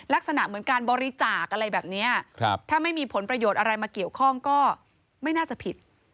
ลักษณะเหมือนการบริจาคอะไรแบบนี้ถ้าไม่มีผลประโยชน์อะไรมาเกี่ยวข้องก็ไม่น่าจะผิด